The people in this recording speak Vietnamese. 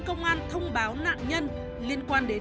chào mọi người